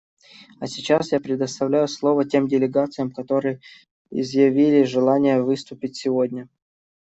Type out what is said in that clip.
А сейчас я предоставлю слово тем делегациям, которые изъявили желание выступить сегодня.